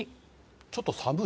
ちょっと寒い？